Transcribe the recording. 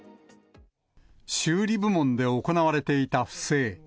修理部門で行われていた不正。